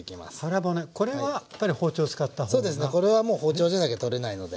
これはもう包丁じゃなきゃ取れないので。